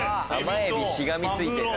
甘エビしがみついてる。